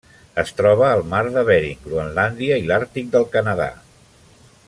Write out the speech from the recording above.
Es troba al Mar de Bering, Groenlàndia i l'Àrtic del Canadà.